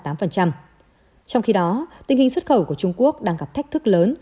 trong khi đó tình hình xuất khẩu của trung quốc đang gặp thách thức lớn